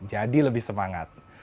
jadi lebih semangat